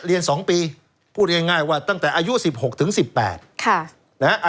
เรียนสองปีพูดง่ายง่ายว่าตั้งแต่อายุสิบหกถึงสิบแปดค่ะนะฮะ